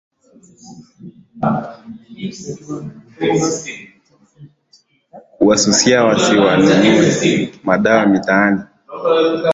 kuwasusia wasiwanunue madawa mitaani